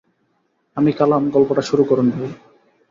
আমি কালাম, গল্পটা শুরু করুন ভাই।